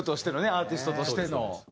アーティストとしての。